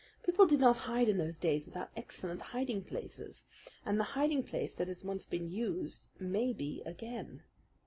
People did not hide in those days without excellent hiding places, and the hiding place that has once been used may be again.